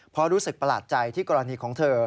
เพราะรู้สึกประหลาดใจที่กรณีของเธอ